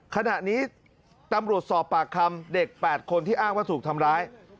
ขณะนี้ตำรวจสอบปากคำเด็ก๘คนที่อ้างว่าถูกทำร้าย